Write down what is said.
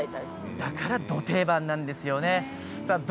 だから、ど定番なんですね。